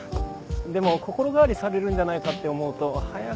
でも心変わりされるんじゃないかって思うと早く。